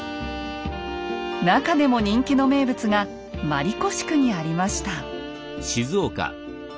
なかでも人気の名物が鞠子宿にありました。